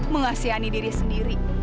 mengasihani diri sendiri